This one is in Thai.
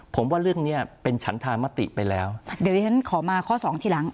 ผมว่าเรื่องเนี้ยเป็นฉันธามติไปแล้วเดี๋ยวดิฉันขอมาข้อสองทีหลัง